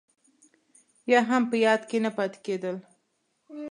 يا هم په ياد کې نه پاتې کېدل.